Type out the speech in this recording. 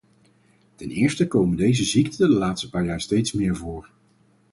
Ten eerste komen deze ziekten de laatste paar jaar steeds meer voor.